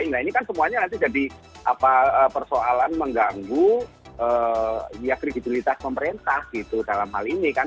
nah ini kan semuanya nanti jadi persoalan mengganggu kredibilitas pemerintah gitu dalam hal ini kan